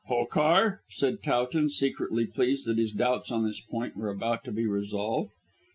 "Hokar?" said Towton, secretly pleased that his doubts on this point were about to be resolved.